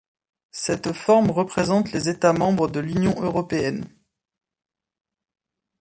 Cette forme représente les états membres de l'Union européenne.